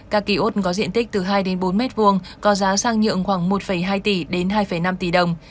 các ký ốt có diện tích từ hai bốn mét vuông có giá sang nhượng khoảng một hai tỷ đến hai năm tỷ đồng